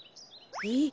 えっ？